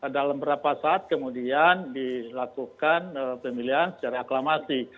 dalam berapa saat kemudian dilakukan pemilihan secara aklamasi